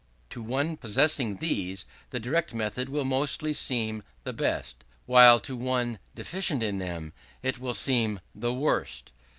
To one possessing these, the direct method will mostly seem the best; while to one deficient in them it will seem the worst.